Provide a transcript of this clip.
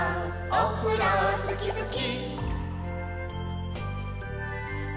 「おふろすきすき」